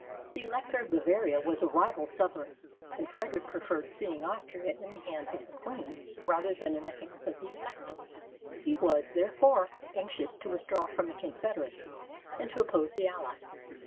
The Elector of Bavaria was a rival sovereign, and Fred eric preferred seeing Austria in the hands of the queen rather than in the hands of the elector. He was, there fore, anxious to withdraw from the confederacy, and to oppose the allies.